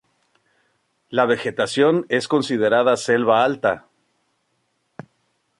La vegetación es considerada selva alta.